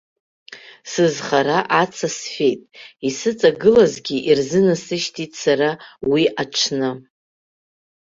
Сызхара аца сфеит, исыҵагылазгьы ирзынасышьҭит сара уи аҽны.